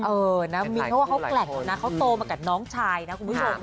เออมีเท่าว่าเขาแกล่นนะเขาโตมากับน้องชายนะ